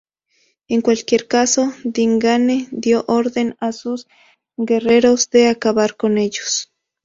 En cualquier caso, Dingane dio orden a sus guerreros de acabar con ellos.